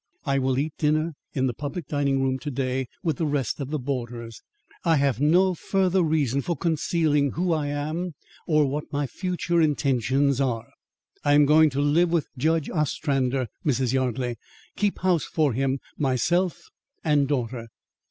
I will eat dinner in the public dining room to day with the rest of the boarders. I have no further reason for concealing who I am or what my future intentions are. I am going to live with Judge Ostrander, Mrs. Yardley; keep house for him, myself and daughter.